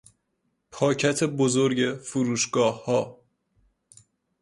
پاکت بزرگ فروشگاهها